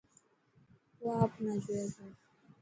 او آپ نا جوئي پيو.